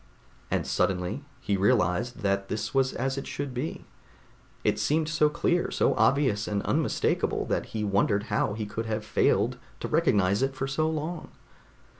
And suddenly he realized that this was as it should be. It seemed so clear, so obvious and unmistakable that he wondered how he could have failed to recognize it for so long.